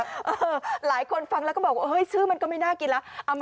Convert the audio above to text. หลายคนฟังแล้วก็บอกว่าเฮ้ยชื่อมันก็ไม่น่ากินแล้ว